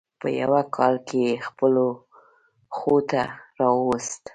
په یوه کال کې یې خپلو خوټو ته راوست.